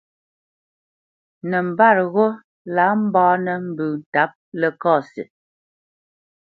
Nəmbat ghó lǎ mbánə́ mbə́ ntǎp Ləkasi.